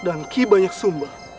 dan ki banyak sumba